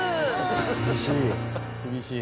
厳しい。